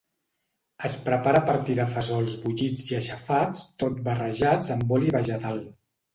Es prepara a partir de fesols bullits i aixafats tot barrejats amb oli vegetal.